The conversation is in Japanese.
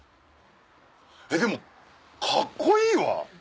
でもカッコいいわ。